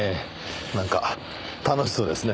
なんか楽しそうですね。